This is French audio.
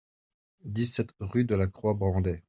dix-sept rue de la Croix Brandet